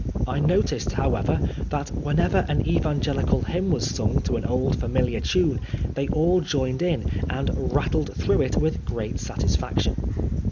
I noticed, however, that whenever an evangelical hymn was sung to an old familiar tune, they all joined in, and rattled through it with great satisfaction.